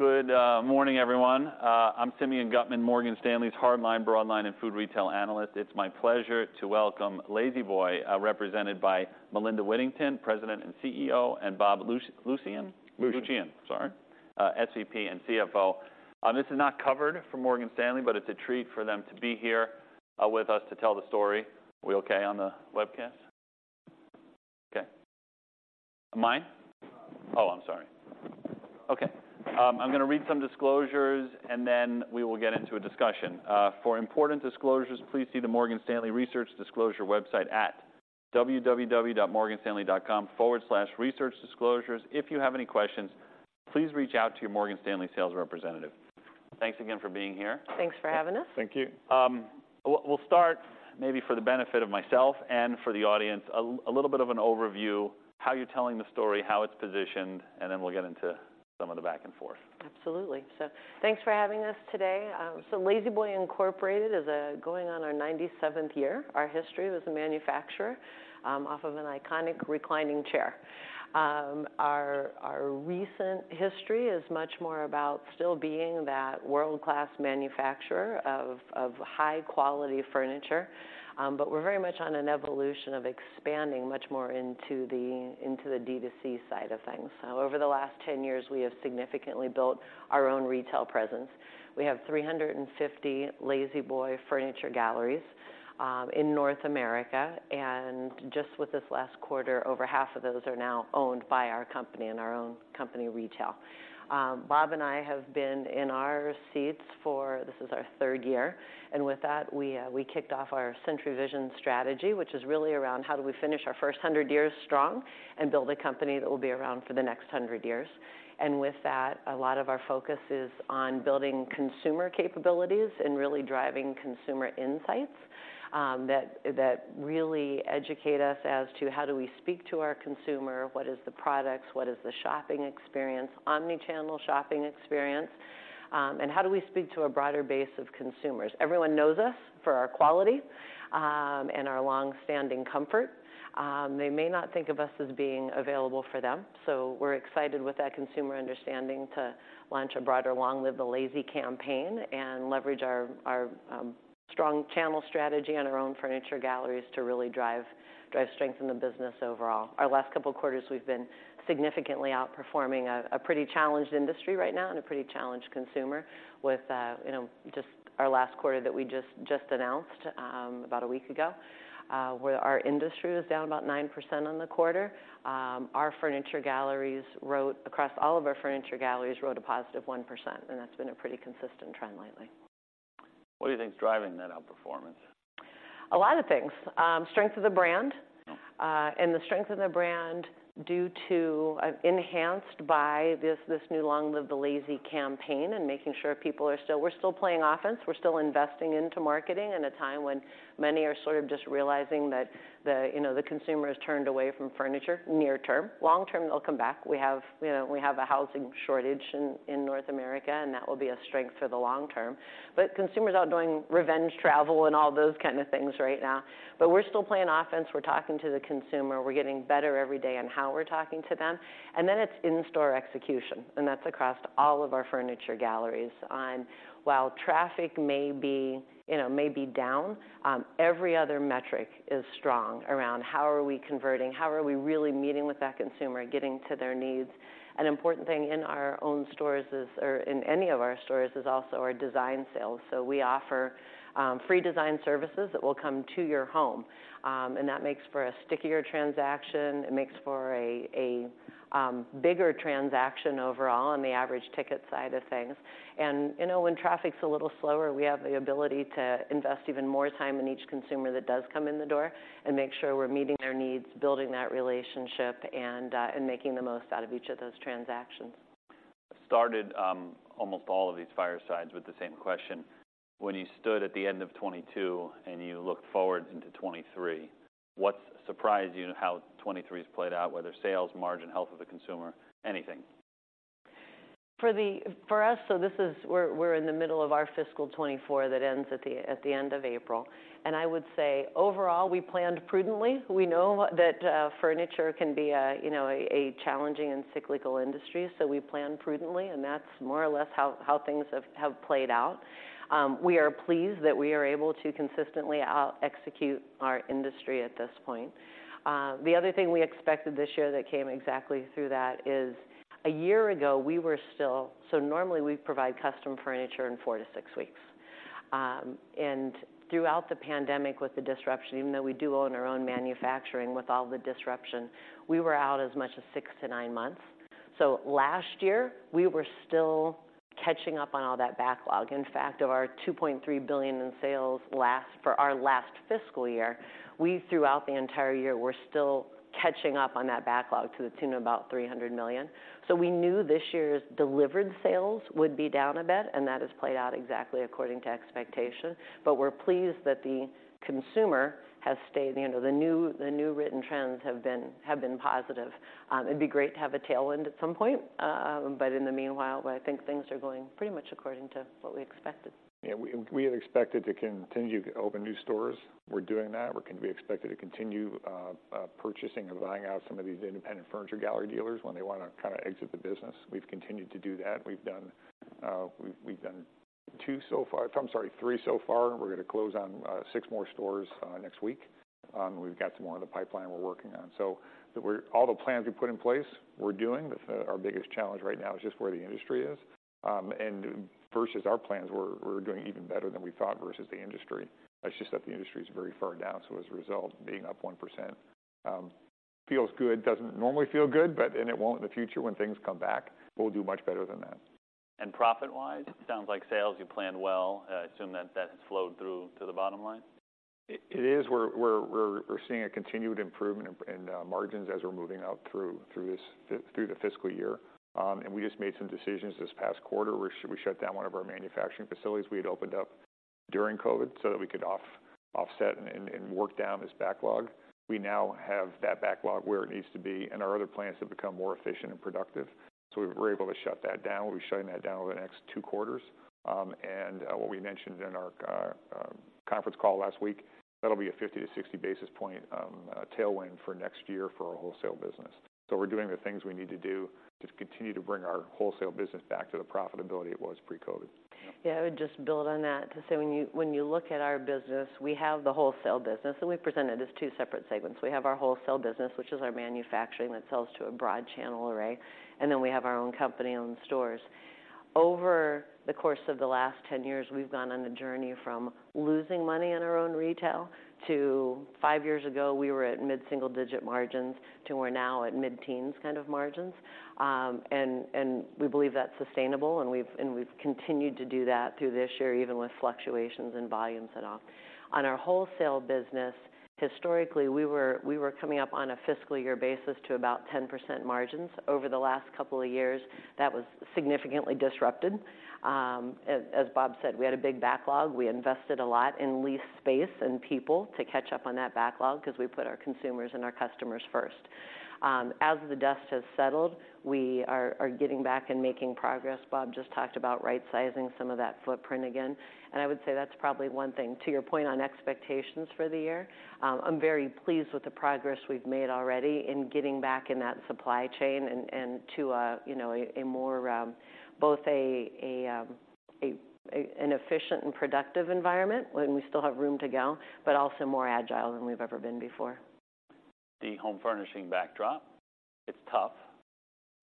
Good morning, everyone. I'm Simeon Gutman, Morgan Stanley's Hardline, Broadline, and Food Retail Analyst. It's my pleasure to welcome La-Z-Boy, represented by Melinda Whittington, President and CEO, and Bob Lucian? Lucian. Lucian, sorry, SVP and CFO. This is not covered for Morgan Stanley, but it's a treat for them to be here, with us to tell the story. Are we okay on the webcast? Okay. Mine? Oh, I'm sorry. Okay. I'm gonna read some disclosures, and then we will get into a discussion. For important disclosures, please see the Morgan Stanley Research Disclosure website at www.morganstanley.com/researchdisclosures. If you have any questions, please reach out to your Morgan Stanley sales representative. Thanks again for being here. Thanks for having us. Thank you. We'll start, maybe for the benefit of myself and for the audience, a little bit of an overview, how you're telling the story, how it's positioned, and then we'll get into some of the back-and-forth. Absolutely. So thanks for having us today. La-Z-Boy Incorporated is going on our 97th year. Our history as a manufacturer off of an iconic reclining chair. Our recent history is much more about still being that world-class manufacturer of high-quality furniture, but we're very much on an evolution of expanding much more into the D2C side of things. So over the last 10 years, we have significantly built our own retail presence. We have 350 La-Z-Boy Furniture Galleries in North America, and just with this last quarter, over half of those are now owned by our company and our own company retail. Bob and I have been in our seats for... This is our third year, and with that, we kicked off our Century Vision strategy, which is really around how do we finish our first 100 years strong and build a company that will be around for the next 100 years. And with that, a lot of our focus is on building consumer capabilities and really driving consumer insights, that really educate us as to how do we speak to our consumer, what is the products, what is the shopping experience, omnichannel shopping experience, and how do we speak to a broader base of consumers? Everyone knows us for our quality, and our long-standing comfort. They may not think of us as being available for them, so we're excited with that consumer understanding to launch a broader Long Live the Lazy campaign and leverage our strong channel strategy on our own Furniture Galleries to really drive strength in the business overall. Our last couple of quarters, we've been significantly outperforming a pretty challenged industry right now and a pretty challenged consumer with you know, just our last quarter that we just announced about a week ago, where our industry was down about 9% on the quarter. Our Furniture Galleries across all of our Furniture Galleriess wrote a positive 1%, and that's been a pretty consistent trend lately. What do you think is driving that outperformance? A lot of things. Strength of the brand, and the strength of the brand due to, enhanced by this new Long Live the Lazy campaign and making sure we're still playing offense, we're still investing into marketing in a time when many are sort of just realizing that the, you know, the consumer has turned away from furniture near term. Long term, they'll come back. We have, you know, we have a housing shortage in, in North America, and that will be a strength for the long term. But consumers are out doing revenge travel and all those kind of things right now. But we're still playing offense. We're talking to the consumer. We're getting better every day on how we're talking to them. And then it's in-store execution, and that's across all of our Furniture Galleries. On... While traffic may be, you know, may be down, every other metric is strong around how are we converting, how are we really meeting with that consumer, getting to their needs. An important thing in our own stores is, or in any of our stores, is also our design sales. So we offer, free design services that will come to your home, and that makes for a stickier transaction. It makes for a bigger transaction overall on the average ticket side of things. And, you know, when traffic's a little slower, we have the ability to invest even more time in each consumer that does come in the door and make sure we're meeting their needs, building that relationship, and making the most out of each of those transactions. I started almost all of these firesides with the same question: When you stood at the end of 2022 and you looked forward into 2023, what surprised you in how 2023 has played out, whether sales, margin, health of the consumer, anything? For us, so we're in the middle of our fiscal 2024 that ends at the end of April. I would say, overall, we planned prudently. We know that furniture can be a, you know, a challenging and cyclical industry, so we planned prudently, and that's more or less how things have played out. We are pleased that we are able to consistently out-execute our industry at this point. The other thing we expected this year that came exactly through that is, a year ago, we were still. So normally, we provide custom furniture in four to six weeks. And throughout the pandemic, with the disruption, even though we do own our own manufacturing, with all the disruption, we were out as much as six to nine months. Last year, we were still catching up on all that backlog. In fact, of our $2.3 billion in sales for our last fiscal year, we, throughout the entire year, were still catching up on that backlog to the tune of about $300 million. We knew this year's delivered sales would be down a bit, and that has played out exactly according to expectation. But we're pleased that the consumer has stayed. You know, the new written trends have been positive. It'd be great to have a tailwind at some point, but in the meanwhile, I think things are going pretty much according to what we expected. Yeah, we had expected to continue to open new stores. We're doing that. We expected to continue purchasing and buying out some of these independent furniture gallery dealers when they wanna kinda exit the business. We've continued to do that. We've done two so far. I'm sorry, three so far. We're gonna close on six more stores next week. We've got some more in the pipeline we're working on. So all the plans we put in place, we're doing. Our biggest challenge right now is just where the industry is. And versus our plans, we're doing even better than we thought versus the industry. It's just that the industry is very far down, so as a result, being up 1%, feels good. Doesn't normally feel good, but... It won't in the future. When things come back, we'll do much better than that. Profit-wise, sounds like sales, you planned well. I assume that, that has flowed through to the bottom line? It is. We're seeing a continued improvement in margins as we're moving out through this fiscal year. And we just made some decisions this past quarter, where we shut down one of our manufacturing facilities we had opened up during COVID, so that we could offset and work down this backlog. We now have that backlog where it needs to be, and our other plants have become more efficient and productive, so we were able to shut that down. We'll be shutting that down over the next two quarters. And what we mentioned in our conference call last week, that'll be a 50 to 60-basis-point tailwind for next year for our wholesale business. We're doing the things we need to do to continue to bring our wholesale business back to the profitability it was pre-COVID. Yeah, I would just build on that to say, when you look at our business, we have the wholesale business, and we've presented as two separate segments. We have our wholesale business, which is our manufacturing, that sells to a broad channel array, and then we have our own company-owned stores. Over the course of the last 10 years, we've gone on a journey from losing money in our own retail, to five years ago, we were at mid-single digit margins, to we're now at mid-teens kind of margins. And we believe that's sustainable, and we've continued to do that through this year, even with fluctuations in volumes and all. On our wholesale business, historically, we were coming up on a fiscal year basis to about 10% margins. Over the last couple of years, that was significantly disrupted. As Bob said, we had a big backlog. We invested a lot in lease space and people to catch up on that backlog, 'cause we put our consumers and our customers first. As the dust has settled, we are getting back and making progress. Bob just talked about right-sizing some of that footprint again, and I would say that's probably one thing. To your point on expectations for the year, I'm very pleased with the progress we've made already in getting back in that supply chain and to a, you know, a more both an efficient and productive environment, and we still have room to go, but also more agile than we've ever been before. The home furnishing backdrop, it's tough.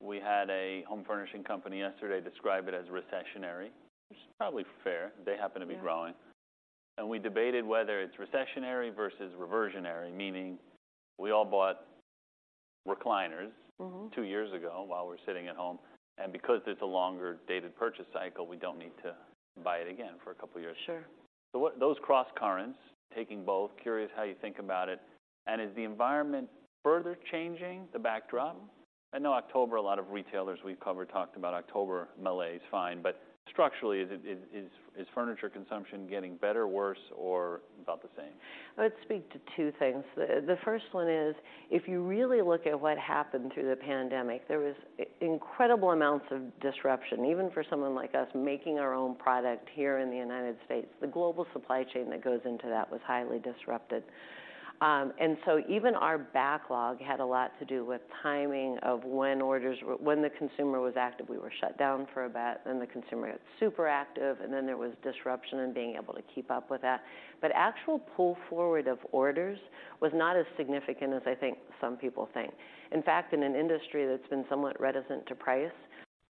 We had a home furnishing company yesterday describe it as recessionary, which is probably fair. Yeah. They happen to be growing. And we debated whether it's recessionary versus reversionary, meaning we all bought recliners two years ago while we were sitting at home, and because it's a longer dated purchase cycle, we don't need to buy it again for a couple of years. Sure. So what - those crosscurrents, taking both, curious how you think about it, and is the environment further changing, the backdrop? I know October, a lot of retailers we've covered talked about October malaise. Fine, but structurally, is it furniture consumption getting better, worse, or about the same? I would speak to two things. The first one is, if you really look at what happened through the pandemic, there was incredible amounts of disruption. Even for someone like us, making our own product here in the United States, the global supply chain that goes into that was highly disrupted. And so even our backlog had a lot to do with timing of when orders when the consumer was active, we were shut down for a bit, then the consumer got super active, and then there was disruption in being able to keep up with that. But actual pull forward of orders was not as significant as I think some people think. In fact, in an industry that's been somewhat reticent to price,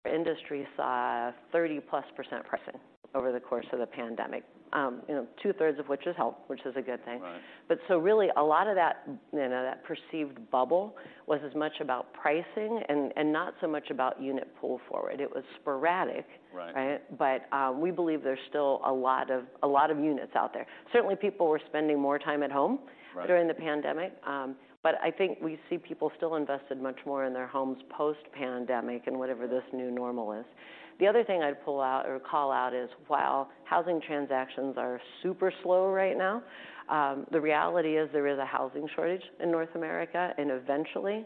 our industry saw a 30%+ pricing over the course of the pandemic. You know, 2/3 of which is help, which is a good thing. Right. But so really, a lot of that, you know, that perceived bubble was as much about pricing and not so much about unit pull forward. It was sporadic... Right ...right? But, we believe there's still a lot of units out there. Certainly, people were spending more time at home... Right ...during the pandemic, but I think we see people still invested much more in their homes post-pandemic and whatever this new normal is. The other thing I'd pull out or call out is, while housing transactions are super slow right now, the reality is, there is a housing shortage in North America, and eventually,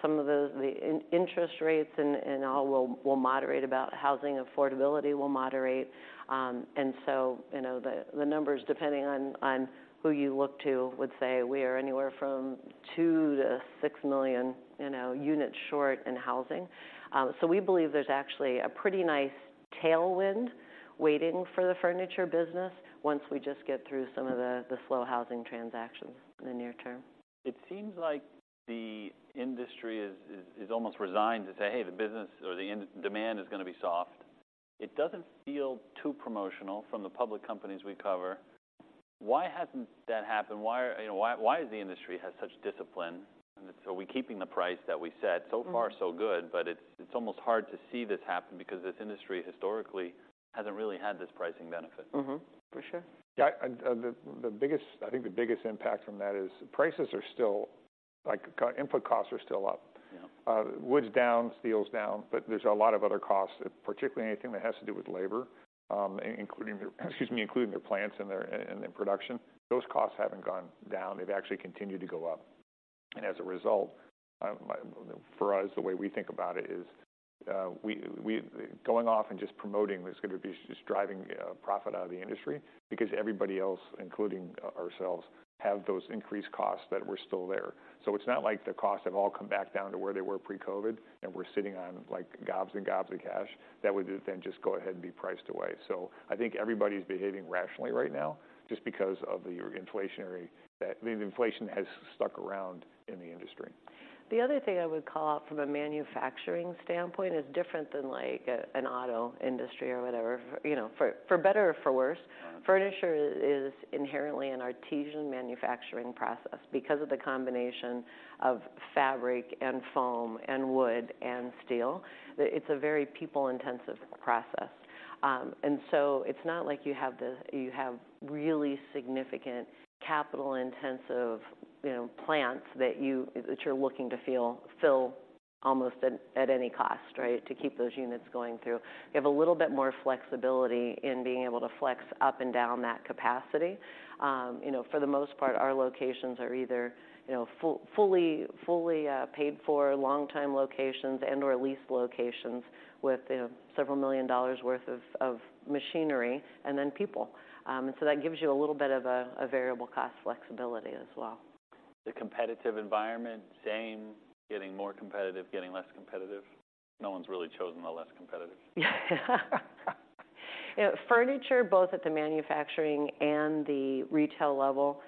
some of the interest rates and all will moderate. Housing affordability will moderate. And so, you know, the numbers, depending on who you look to, would say we are anywhere from 2 million to 6 million, you know, units short in housing. So we believe there's actually a pretty nice tailwind waiting for the furniture business once we just get through some of the slow housing transactions in the near term. It seems like the industry is almost resigned to say: "Hey, the business or the in-demand is gonna be soft." It doesn't feel too promotional from the public companies we cover. Why hasn't that happened? Why, you know, why does the industry have such discipline? And so, we're keeping the price that we set. So far, so good, but it's almost hard to see this happen because this industry historically hasn't really had this pricing benefit. For sure. Yeah, and the biggest... I think the biggest impact from that is, prices are still, like, input costs are still up. Yeah. Wood's down, steel's down, but there's a lot of other costs, particularly anything that has to do with labor, including their, excuse me, including their plants and their production. Those costs haven't gone down. They've actually continued to go up, and as a result, for us, the way we think about it is, we going off and just promoting is gonna be just driving profit out of the industry, because everybody else, including ourselves, have those increased costs that were still there. So it's not like the costs have all come back down to where they were pre-COVID, and we're sitting on, like, gobs and gobs of cash. That would then just go ahead and be priced away. I think everybody's behaving rationally right now, just because the inflation has stuck around in the industry. The other thing I would call out from a manufacturing standpoint is different than, like, an auto industry or whatever, you know, for better or for worse. Furniture is inherently an artisan manufacturing process. Because of the combination of fabric, and foam, and wood, and steel, the... It's a very people-intensive process. And so it's not like you have you have really significant capital-intensive, you know, plants that you, that you're looking to fill almost at any cost, right? To keep those units going through. You have a little bit more flexibility in being able to flex up and down that capacity. You know, for the most part, our locations are either, you know, fully paid for, long-time locations and/or leased locations with, you know, several million dollars worth of machinery, and then people. And so that gives you a little bit of a variable cost flexibility as well. The competitive environment, same, getting more competitive, getting less competitive? No one's really chosen the less competitive. You know, furniture, both at the manufacturing and the retail level,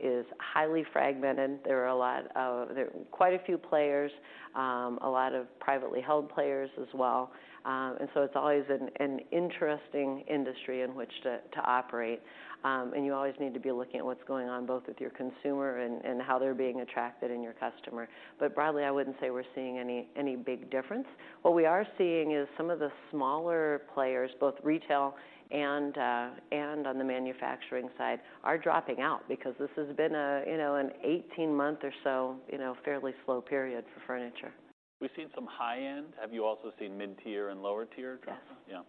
is highly fragmented. There are a lot of... There are quite a few players, a lot of privately held players as well. And so it's always an interesting industry in which to operate. And you always need to be looking at what's going on, both with your consumer and how they're being attracted, and your customer. But broadly, I wouldn't say we're seeing any big difference. What we are seeing is some of the smaller players, both retail and on the manufacturing side, are dropping out because this has been a, you know, an 18-month or so, you know, fairly slow period for furniture. We've seen some high-end. Have you also seen mid-tier and lower tier drops? Yes.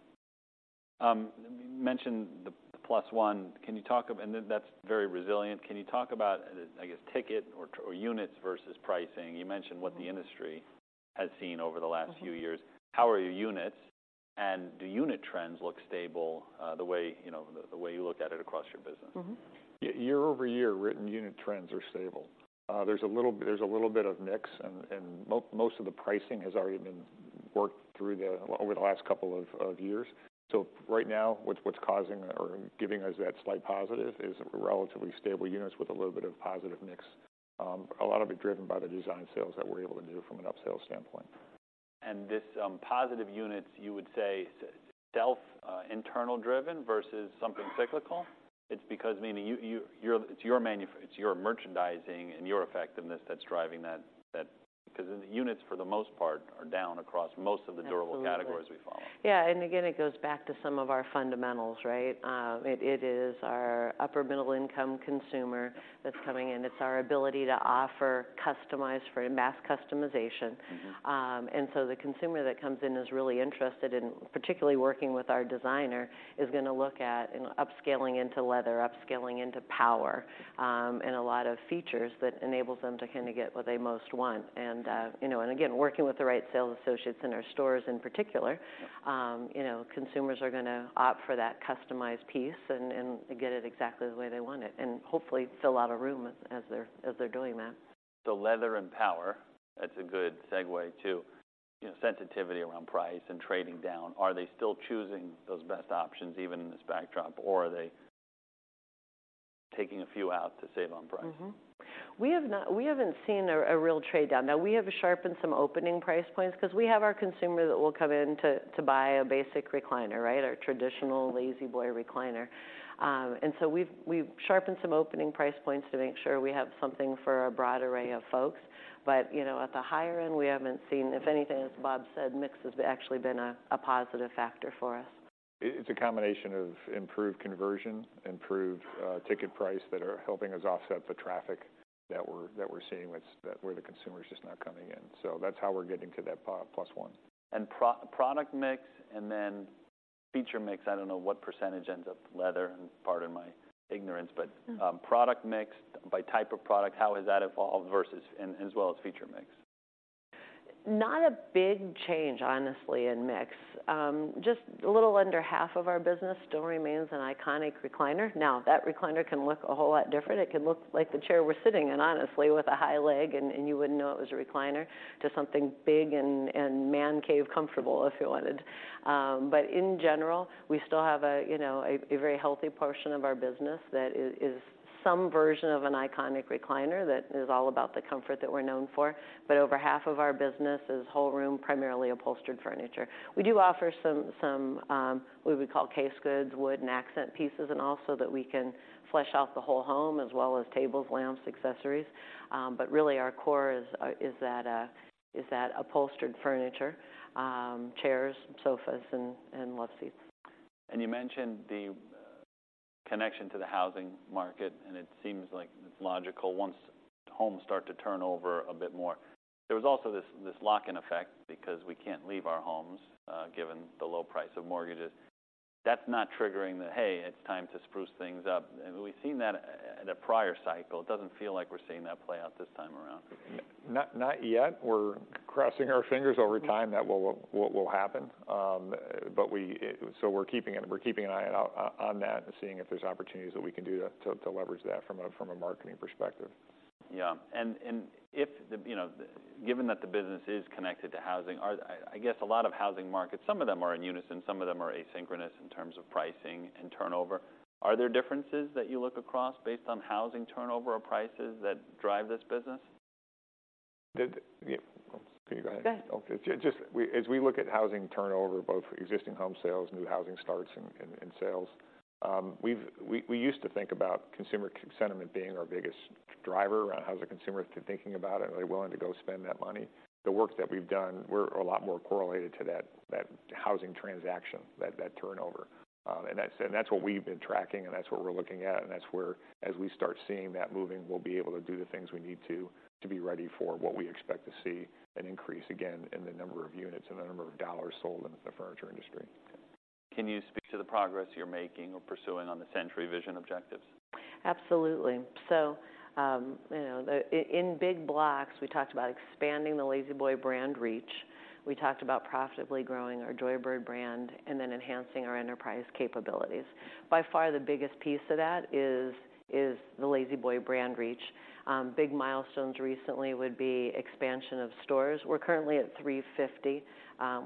Yeah. You mentioned the plus one. Can you talk and then that's very resilient. Can you talk about, I guess, ticket, or units versus pricing? You mentioned what the industry has seen over the last few years. How are your units, and do unit trends look stable, the way, you know, the way you look at it across your business? Year-over-year, written unit trends are stable. There's a little bit of mix, and most of the pricing has already been worked through over the last couple of years. So right now, what's causing or giving us that slight positive is relatively stable units with a little bit of positive mix. A lot of it driven by the design sales that we're able to do from an upsale standpoint. And this positive units, you would say self internal driven versus something cyclical? It's because, meaning you - it's your merchandising and your effectiveness that's driving that 'cause the units, for the most part, are down across most of the durable... Absolutely ...categories we follow. Yeah, and again, it goes back to some of our fundamentals, right? It is our upper middle income consumer that's coming in. It's our ability to offer customized for mass customization. And so the consumer that comes in is really interested in particularly working with our designer, is gonna look at, you know, upscaling into leather, upscaling into power, and a lot of features that enables them to kinda get what they most want. And, you know, and again, working with the right sales associates in our stores in particular. Yep. You know, consumers are gonna opt for that customized piece and get it exactly the way they want it, and hopefully fill a lot of room as they're doing that. So leather and power, that's a good segue to, you know, sensitivity around price and trading down. Are they still choosing those best options, even in this backdrop, or are they taking a few out to save on price? We haven't seen a real trade-down. Now, we have sharpened some opening price points, 'cause we have our consumer that will come in to buy a basic recliner, right? Our traditional La-Z-Boy recliner. And so we've sharpened some opening price points to make sure we have something for a broad array of folks. But, you know, at the higher end, we haven't seen... If anything, as Bob said, mix has actually been a positive factor for us. It's a combination of improved conversion, improved ticket price, that are helping us offset the traffic that we're seeing, where the consumer's just not coming in. So that's how we're getting to that plus one. Product mix, and then feature mix, I don't know what percentage ends up leather, and pardon my ignorance. but, product mix by type of product, how has that evolved versus, and as well as feature mix? Not a big change, honestly, in mix. Just a little under half of our business still remains an iconic recliner. Now, that recliner can look a whole lot different. It could look like the chair we're sitting in, honestly, with a high leg, and you wouldn't know it was a recliner, to something big and man cave comfortable, if you wanted. But in general, we still have, you know, a very healthy portion of our business that is some version of an iconic recliner that is all about the comfort that we're known for. But over half of our business is whole room, primarily upholstered furniture. We do offer some what we call case goods, wood and accent pieces, and also that we can flesh out the whole home, as well as tables, lamps, accessories. But really, our core is that upholstered furniture, chairs, sofas, and love seats. You mentioned the connection to the housing market, and it seems like it's logical once homes start to turn over a bit more. There was also this lock-in effect, because we can't leave our homes, given the low price of mortgages. That's not triggering the, "Hey, it's time to spruce things up." We've seen that at a prior cycle. It doesn't feel like we're seeing that play out this time around. Not yet. We're crossing our fingers over time that will happen. But so we're keeping an eye out on that and seeing if there's opportunities that we can do to leverage that from a marketing perspective. Yeah. And if, you know, given that the business is connected to housing, are, I guess, a lot of housing markets, some of them are in unison, some of them are asynchronous in terms of pricing and turnover. Are there differences that you look across based on housing turnover or prices that drive this business? Yeah. Can you go ahead? Go ahead. Okay, just as we look at housing turnover, both existing home sales, new housing starts and sales, we've used to think about consumer sentiment being our biggest driver around how's the consumer thinking about it? Are they willing to go spend that money? The work that we've done, we're a lot more correlated to that housing transaction, that turnover. And that's what we've been tracking, and that's what we're looking at. And that's where, as we start seeing that moving, we'll be able to do the things we need to, to be ready for what we expect to see an increase again in the number of units and the number of dollars sold in the furniture industry. Can you speak to the progress you're making or pursuing on the Century Vision objectives? Absolutely. So, you know, in big blocks, we talked about expanding the La-Z-Boy brand reach. We talked about profitably growing our Joybird brand, and then enhancing our enterprise capabilities. By far, the biggest piece of that is the La-Z-Boy brand reach. Big milestones recently would be expansion of stores. We're currently at 350.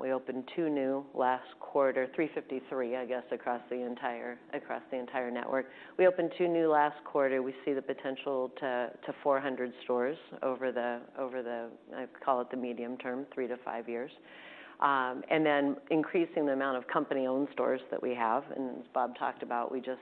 We opened two new last quarter, 353, I guess, across the entire network. We opened two new last quarter. We see the potential to 400 stores over the, I'd call it the medium term, three to five years. And then increasing the amount of company-owned stores that we have, and as Bob talked about, we just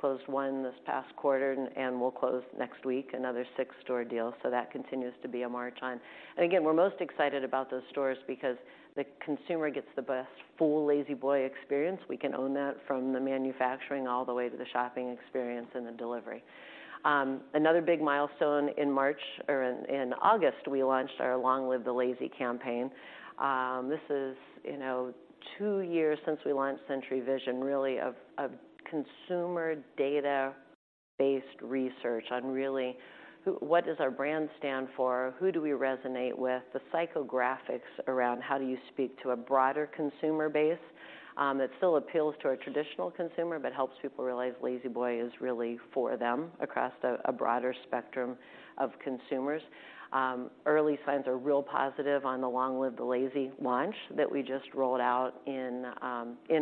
closed one this past quarter, and we'll close next week, another six store deal. So that continues to be on our time. And again, we're most excited about those stores because the consumer gets the best full La-Z-Boy experience. We can own that from the manufacturing all the way to the shopping experience and the delivery. Another big milestone in March, or in August, we launched our Long Live the Lazy campaign. This is, you know, two years since we launched Century Vision, really of, of consumer data-based research on really who - what does our brand stand for? Who do we resonate with? The psychographics around how do you speak to a broader consumer base, that still appeals to our traditional consumer, but helps people realize La-Z-Boy is really for them across the - a broader spectrum of consumers. Early signs are real positive on the Long Live the Lazy launch that we just rolled out in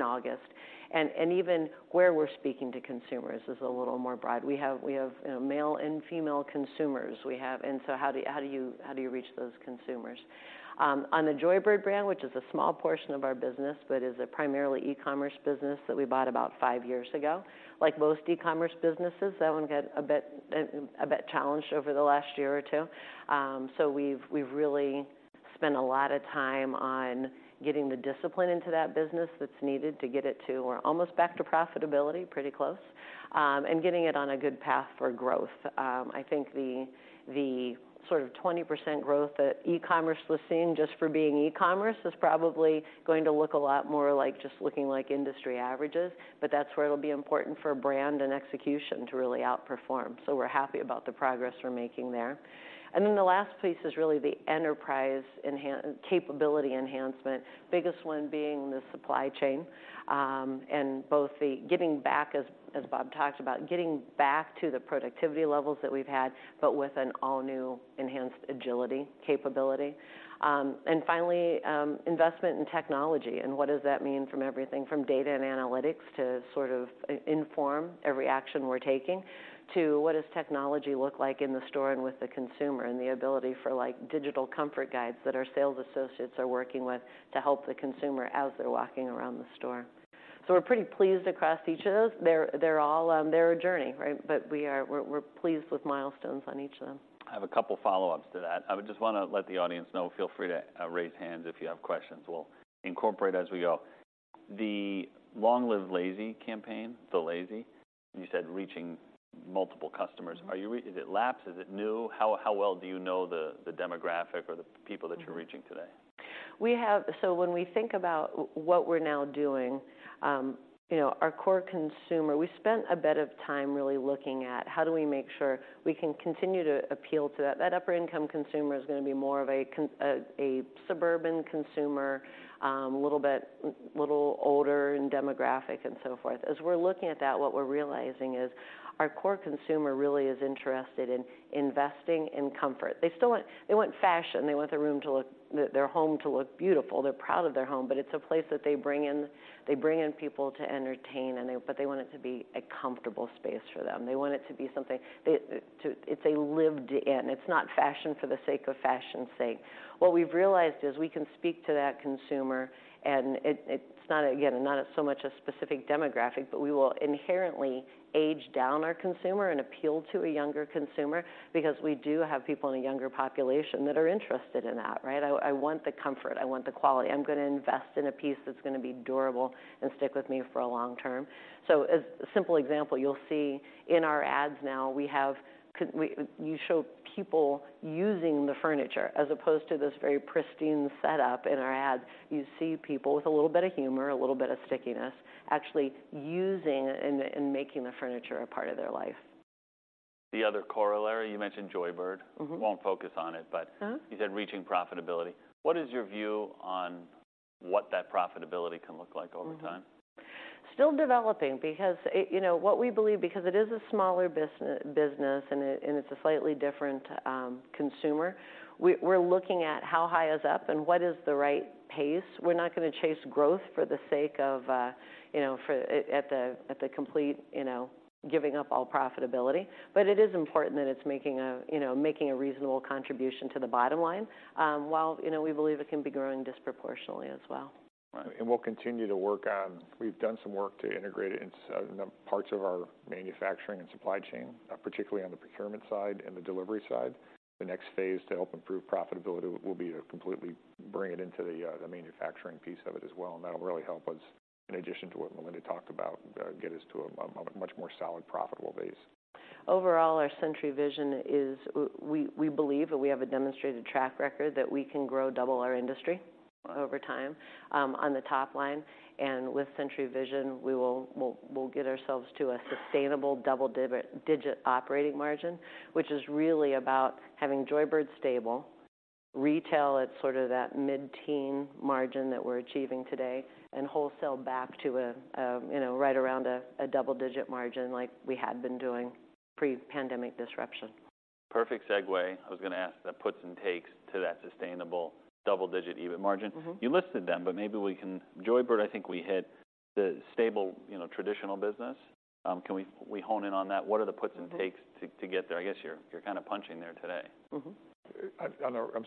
August. And even where we're speaking to consumers is a little more broad. We have, you know, male and female consumers. We have... And so how do you reach those consumers? On the Joybird brand, which is a small portion of our business, but is a primarily e-commerce business that we bought about five years ago. Like most e-commerce businesses, that one got a bit challenged over the last year or two. So we've really spent a lot of time on getting the discipline into that business that's needed to get it to... We're almost back to profitability, pretty close, and getting it on a good path for growth. I think the sort of 20% growth that e-commerce was seeing, just for being e-commerce, is probably going to look a lot more like just looking like industry averages, but that's where it'll be important for brand and execution to really outperform. So we're happy about the progress we're making there. And then the last piece is really the enterprise capability enhancement, biggest one being the supply chain, and both the getting back, as Bob talked about, getting back to the productivity levels that we've had, but with an all-new enhanced agility capability. And finally, investment in technology, and what does that mean from everything from data and analytics to sort of inform every action we're taking, to what does technology look like in the store and with the consumer, and the ability for, like, digital comfort guides that our sales associates are working with to help the consumer as they're walking around the store. So we're pretty pleased across each of those. They're all a journey, right? But we're pleased with milestones on each of them. I have a couple follow-ups to that. I would just want to let the audience know, feel free to raise hands if you have questions. We'll incorporate as we go. The Long Live the Lazy campaign, the Lazy, you said, reaching multiple customers. Are you reaching lapsed? Is it new? How well do you know the demographic or the people that you're reaching today? So when we think about what we're now doing, you know, our core consumer, we spent a bit of time really looking at how do we make sure we can continue to appeal to that. That upper-income consumer is going to be more of a suburban consumer, a little bit older in demographic and so forth. As we're looking at that, what we're realizing is our core consumer really is interested in investing in comfort. They still want fashion, they want the room to look beautiful, their home to look beautiful. They're proud of their home, but it's a place that they bring in people to entertain, but they want it to be a comfortable space for them. They want it to be something, it's a lived-in. It's not fashion for the sake of fashion's sake. What we've realized is we can speak to that consumer, and it's not, again, not so much a specific demographic, but we will inherently age down our consumer and appeal to a younger consumer because we do have people in a younger population that are interested in that, right? "I want the comfort, I want the quality. I'm going to invest in a piece that's going to be durable and stick with me for a long term." So a simple example, you'll see in our ads now, we have you show people using the furniture, as opposed to this very pristine setup in our ads. You see people with a little bit of humor, a little bit of stickiness, actually using and making the furniture a part of their life. The other corollary, you mentioned Joybird. Won't focus on it, but you said reaching profitability. What is your view on what that profitability can look like over time? Still developing, because it, you know, what we believe, because it is a smaller business, and it, and it's a slightly different consumer, we, we're looking at how high is up and what is the right pace. We're not gonna chase growth for the sake of, you know, for, at, at the, at the complete, you know, giving up all profitability. But it is important that it's making a, you know, making a reasonable contribution to the bottom line, while, you know, we believe it can be growing disproportionately as well. Right. We'll continue to work on... We've done some work to integrate it into parts of our manufacturing and supply chain, particularly on the procurement side and the delivery side. The next phase to help improve profitability will be to completely bring it into the manufacturing piece of it as well, and that'll really help us, in addition to what Melinda talked about, get us to a much more solid, profitable base. Overall, our Century Vision is we believe that we have a demonstrated track record that we can grow double our industry over time on the top line. With Century Vision, we'll get ourselves to a sustainable double-digit operating margin, which is really about having Joybird stable, retail at sort of that mid-teen margin that we're achieving today, and wholesale back to a you know right around a double-digit margin like we had been doing pre-pandemic disruption. Perfect segue. I was gonna ask the puts and takes to that sustainable double-digit EBIT margin. You listed them, but maybe we can... Joybird, I think we hit the stable, you know, traditional business. Can we, we hone in on that? What are the puts and takes to get there? I guess you're kind of punching there today. I'm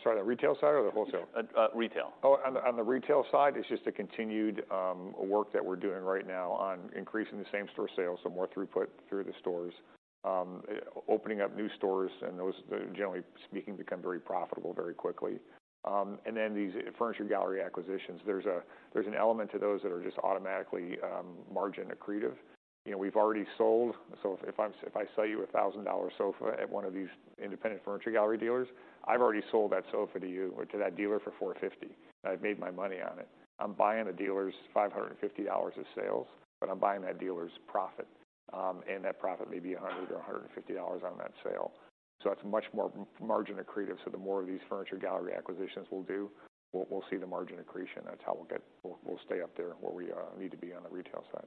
sorry, on the retail side or the wholesale? Retail. Oh, on the retail side, it's just a continued work that we're doing right now on increasing the same-store sales, so more throughput through the stores. Opening up new stores, and those, generally speaking, become very profitable very quickly. And then these Furniture Gallery acquisitions, there's an element to those that are just automatically margin accretive. You know, we've already sold, so if I sell you a $1,000 sofa at one of these independent Furniture Gallery dealers, I've already sold that sofa to you or to that dealer for $450. I've made my money on it. I'm buying a dealer's $550 of sales, but I'm buying that dealer's profit, and that profit may be $100 or $150 on that sale. So that's much more margin accretive, so the more of these Furniture Gallery acquisitions we'll do, we'll see the margin accretion. That's how we'll stay up there where we need to be on the retail side.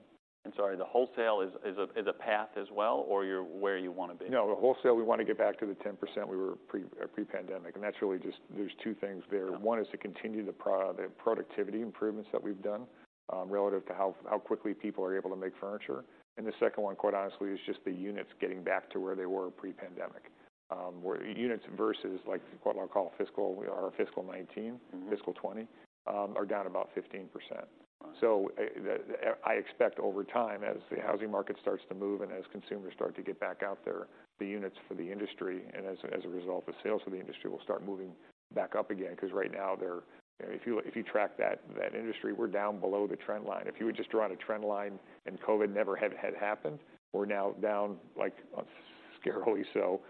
Sorry, the wholesale is a path as well, or you're where you want to be? No, the wholesale, we want to get back to the 10% we were pre, pre-pandemic, and that's really just - there's two things there. Uh-huh. One is to continue the productivity improvements that we've done relative to how quickly people are able to make furniture. And the second one, quite honestly, is just the units getting back to where they were pre-pandemic. Where units versus, like, what I'll call fiscal, our fiscal 2019 fiscal 2020 are down about 15%. Right. So, I expect over time, as the housing market starts to move and as consumers start to get back out there, the units for the industry, and as a result, the sales for the industry will start moving back up again. Because right now, they're - if you track that industry, we're down below the trend line. If you would just draw a trend line and COVID never had happened, we're now down, like, scarily so,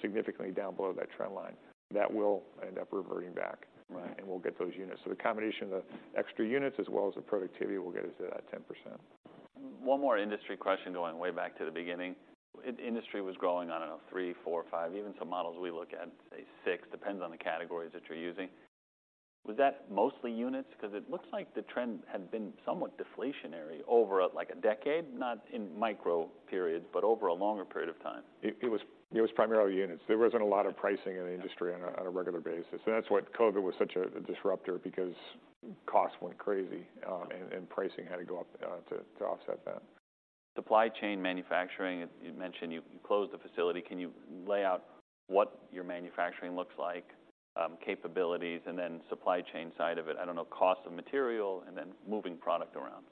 significantly down below that trend line. That will end up reverting back- Right and we'll get those units. So the combination of the extra units as well as the productivity will get us to that 10%. One more industry question, going way back to the beginning. Industry was growing on, I don't know, three, four, five, even some models we look at, say six, depends on the categories that you're using. Was that mostly units? Because it looks like the trend had been somewhat deflationary over, like a decade, not in micro periods, but over a longer period of time. It was primarily units. There wasn't a lot of pricing in the industry on a regular basis, and that's why COVID was such a disruptor, because costs went crazy, and pricing had to go up to offset that. Supply chain manufacturing, you mentioned you closed the facility. Can you lay out what your manufacturing looks like, capabilities, and then supply chain side of it? I don't know, cost of material and then moving product around.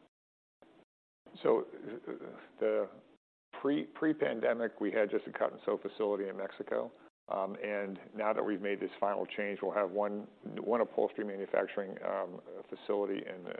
Pre-pandemic, we had just a cut-and-sew facility in Mexico, and now that we've made this final change, we'll have one upholstery manufacturing facility in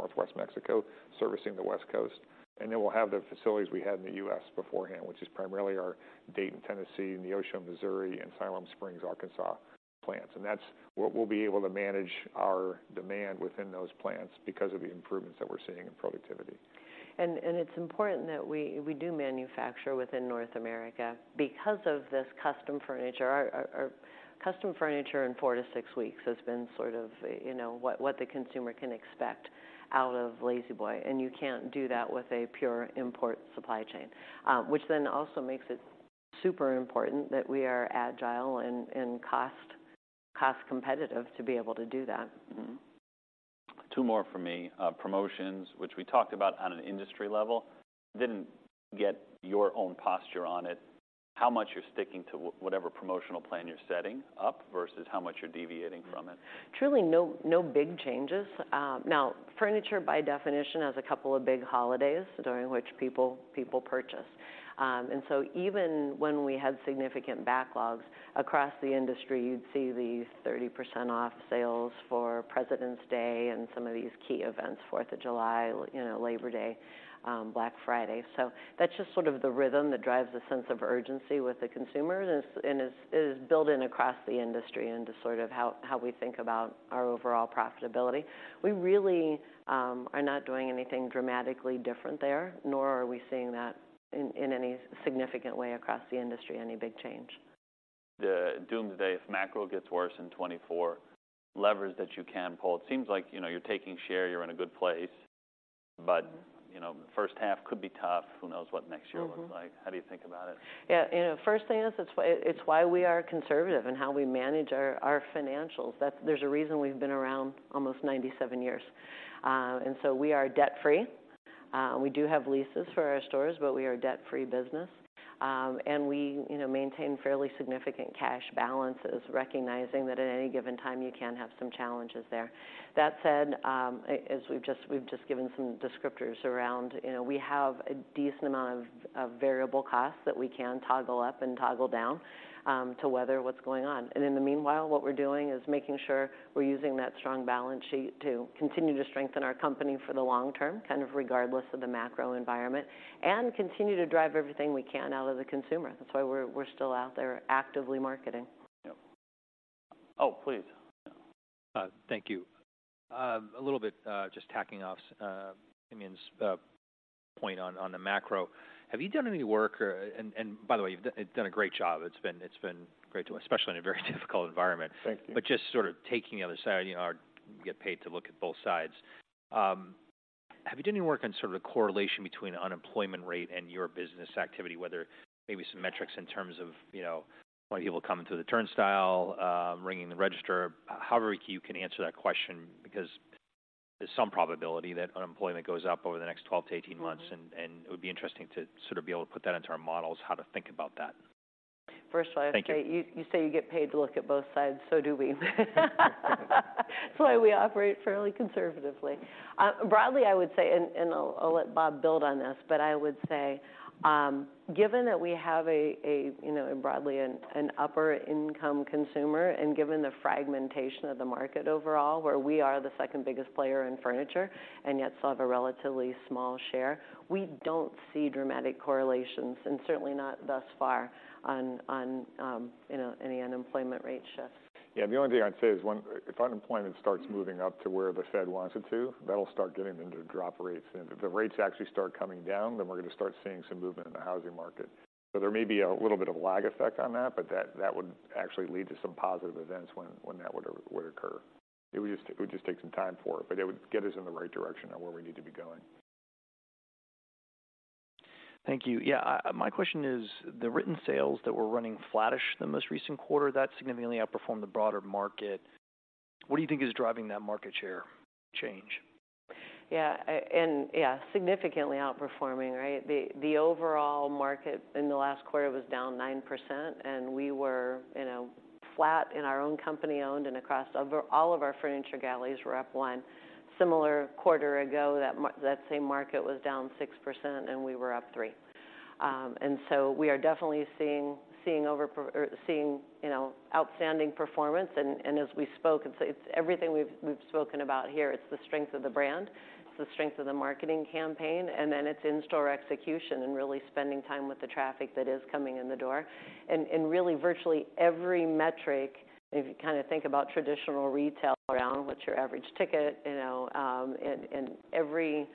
Northwest Mexico, servicing the West Coast. And then we'll have the facilities we had in the U.S. beforehand, which is primarily our Dayton, Tennessee, Neosho, Missouri, and Siloam Springs, Arkansas, plants. And that's where we'll be able to manage our demand within those plants because of the improvements that we're seeing in productivity. It's important that we do manufacture within North America because of this custom furniture. Our custom furniture in four to six weeks has been sort of, you know, what the consumer can expect out of La-Z-Boy, and you can't do that with a pure import supply chain. Which then also makes it super important that we are agile and cost competitive to be able to do that. Two more from me. Promotions, which we talked about on an industry level, didn't get your own posture on it, how much you're sticking to whatever promotional plan you're setting up versus how much you're deviating from it? Truly, no, no big changes. Now, furniture, by definition, has a couple of big holidays during which people purchase. And so even when we had significant backlogs across the industry, you'd see these 30% off sales for President's Day and some of these key events, July 4th, you know, Labor Day, Black Friday. So that's just sort of the rhythm that drives a sense of urgency with the consumers, and it is built in across the industry into sort of how we think about our overall profitability. We really are not doing anything dramatically different there, nor are we seeing that in any significant way across the industry, any big change. The doomsday, if macro gets worse in 2024, levers that you can pull. It seems like, you know, you're taking share, you're in a good place, but, you know, first half could be tough. Who knows what next year looks like? How do you think about it? Yeah, you know, first thing is, it's why we are conservative and how we manage our financials. That's. There's a reason we've been around almost 97 years. And so we are debt-free. We do have leases for our stores, but we are a debt-free business. And we, you know, maintain fairly significant cash balances, recognizing that at any given time you can have some challenges there. That said, as we've just given some descriptors around, you know, we have a decent amount of variable costs that we can toggle up and toggle down to weather what's going on. In the meanwhile, what we're doing is making sure we're using that strong balance sheet to continue to strengthen our company for the long-term, kind of, regardless of the macro environment, and continue to drive everything we can out of the consumer. That's why we're still out there actively marketing. Yep. Oh, please. Thank you. A little bit, just tacking off, I mean, point on the macro. Have you done any work or... And by the way, you've done a great job. It's been great to - especially in a very difficult environment. Thank you. But just sort of taking the other side, you know, I get paid to look at both sides. Have you done any work on sort of the correlation between unemployment rate and your business activity, whether maybe some metrics in terms of, you know, how many people coming through the turnstile, ringing the register? However you can answer that question, because there's some probability that unemployment goes up over the next 12 to 18 months. And it would be interesting to sort of be able to put that into our models, how to think about that. First of all... Thank you ...you say you get paid to look at both sides, so do we. That's why we operate fairly conservatively. Broadly, I would say, and I'll let Bob build on this, but I would say, given that we have a you know, broadly an upper-income consumer, and given the fragmentation of the market overall, where we are the second biggest player in furniture and yet still have a relatively small share, we don't see dramatic correlations, and certainly not thus far on you know, any unemployment rate shifts. Yeah, the only thing I'd say is, if unemployment starts moving up to where the Fed wants it to, that'll start getting them to drop rates. And if the rates actually start coming down, then we're gonna start seeing some movement in the housing market. So there may be a little bit of a lag effect on that, but that would actually lead to some positive events when that would occur. It would just take some time for it, but it would get us in the right direction of where we need to be going. Thank you. Yeah, my question is, the written sales that were running flattish in the most recent quarter, that significantly outperformed the broader market. What do you think is driving that market share change? Yeah, and yeah, significantly outperforming, right? The overall market in the last quarter was down 9%, and we were, you know, flat in our own company-owned and across all of our furniture galleries were up 1%. A similar quarter ago, that same market was down 6%, and we were up 3%. And so we are definitely seeing outstanding performance. And as we spoke, it's everything we've spoken about here. It's the strength of the brand, it's the strength of the marketing campaign, and then it's in-store execution and really spending time with the traffic that is coming in the door. Really, virtually every metric, if you kinda think about traditional retail around, what's your average ticket, you know, and every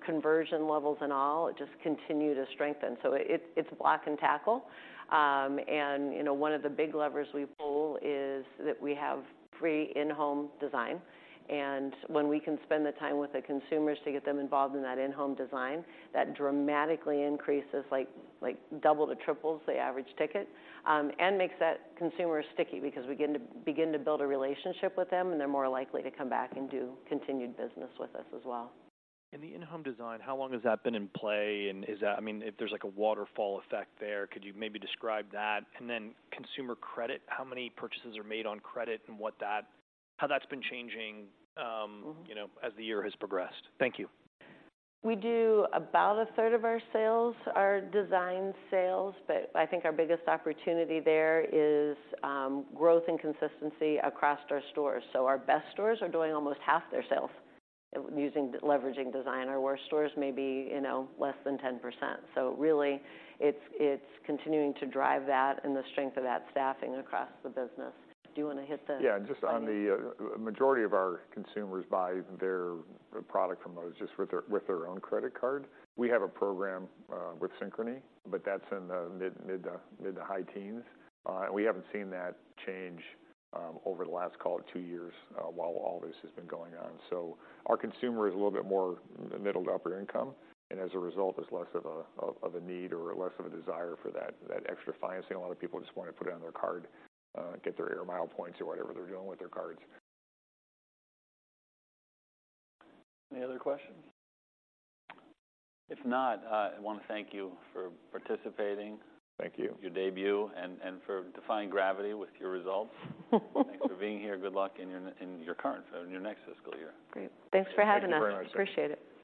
conversion levels and all, it just continue to strengthen. So it, it's block and tackle. And, you know, one of the big levers we pull is that we have free in-home design. And when we can spend the time with the consumers to get them involved in that in-home design, that dramatically increases, like, double to triples the average ticket, and makes that consumer sticky because we begin to build a relationship with them, and they're more likely to come back and do continued business with us as well. The in-home design, how long has that been in play? Is that... I mean, if there's, like, a waterfall effect there, could you maybe describe that? Then consumer credit, how many purchases are made on credit and how that's been changing? You know, as the year has progressed? Thank you. We do about a third of our sales, our design sales, but I think our biggest opportunity there is growth and consistency across our stores. So our best stores are doing almost half their sales using leveraging designer, where stores may be, you know, less than 10%. So really, it's continuing to drive that and the strength of that staffing across the business. Do you wanna hit that? Yeah, just on the majority of our consumers buy their product from us just with their own credit card. We have a program with Synchrony, but that's in the mid to high teens. We haven't seen that change over the last, call it, two years, while all this has been going on. So our consumer is a little bit more middle to upper income, and as a result, there's less of a need or less of a desire for that extra financing. A lot of people just wanna put it on their card, get their air mile points or whatever they're doing with their cards. Any other questions? If not, I wanna thank you for participating. Thank you. Your debut and for defying gravity with your results. Thanks for being here. Good luck in your next fiscal year. Great. Thanks for having us. Thank you very much. Appreciate it.